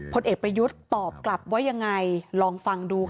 ผลเอกประยุทธ์ตอบกลับว่ายังไงลองฟังดูค่ะ